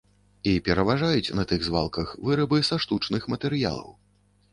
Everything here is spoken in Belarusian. І пераважаюць на тых звалках вырабы са штучных матэрыялаў.